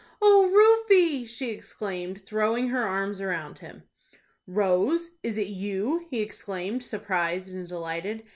"O Rufie!" she exclaimed, throwing her arms around him. "Rose, is it you?" he exclaimed, surprised and delighted.